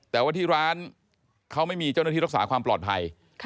แต่ว่าที่ร้านเขาไม่มีเจ้าหน้าที่รักษาความปลอดภัย